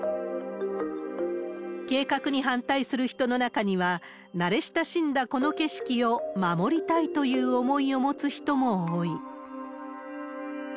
計画に反対する人の中には、慣れ親しんだこの景色を守りたいという思いを持つ人も多い。